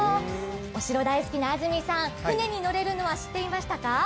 お城大好きな安住さん、舟に乗れるのは知っていましたか？